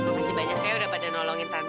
makasih banyak ya udah pada nolongin tante